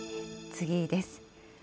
次です。